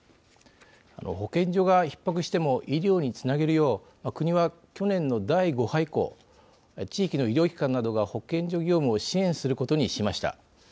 保健所がひっ迫しても医療につなげるよう国は、去年の第５波以降地域の医療機関などが保健所業務を支援することにしました。